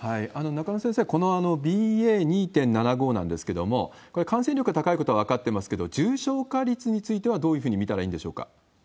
中野先生、このＢＡ．２．７５なんですけども、これ、感染力が高いことは分かっていますけれども、重症化率についてはどういうふうに見たらいいんでしょうか？